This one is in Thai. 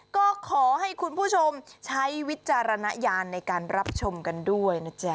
ก็ขอให้คุณผู้ชมใช้วิจารณญาณในการรับชมกันด้วยนะจ๊ะ